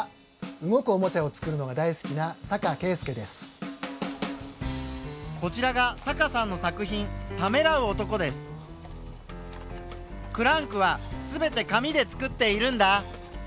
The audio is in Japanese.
動くおもちゃをつくるのが大好きなこちらがクランクは全て紙でつくっているんだ。